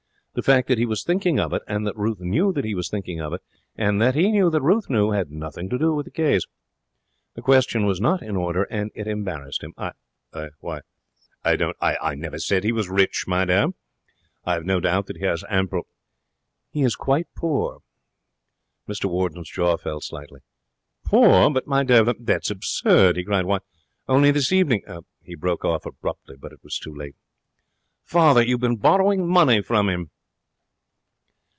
The fact that he was thinking of it and that Ruth knew that he was thinking of it, and that he knew that Ruth knew, had nothing to do with the case. The question was not in order, and it embarrassed him. 'I why I don't I never said he was rich, my dear. I have no doubt that he has ample ' 'He is quite poor.' Mr Warden's jaw fell slightly. 'Poor? But, my dear, that's absurd!' he cried. 'Why, only this evening ' He broke off abruptly, but it was too late. 'Father, you've been borrowing money from him!'